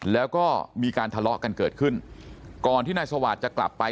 แล้วก็มีการทะเลาะกันเกิดขึ้นก่อนที่นายสวาสตร์จะกลับไป